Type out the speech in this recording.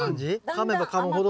かめばかむほど。